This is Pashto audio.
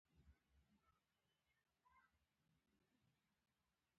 که میتیلین بلو وکارول شي آبي رنګ نیسي.